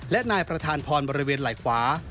และนายประธานพรบริเวณไหล่ขวา